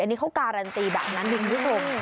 แต่นี่เขาการันตีแบบนั้นดีครับ